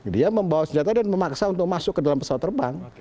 dia membawa senjata dan memaksa untuk masuk ke dalam pesawat terbang